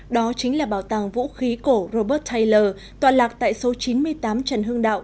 đó chính là bảo tàng vũ khí cổ robert taylor toàn lạc tại số chín mươi tám trần hưng đạo